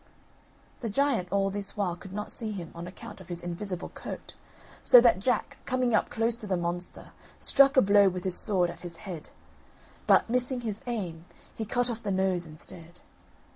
The giant all this while could not see him, on account of his invisible coat, so that Jack, coming up close to the monster, struck a blow with his sword at his head, but, missing his aim, he cut off the nose instead.